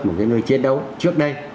một cái nơi chiến đấu trước đây